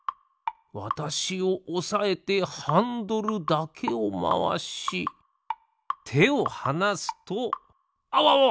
わたしをおさえてハンドルだけをまわしてをはなすとあわわわ！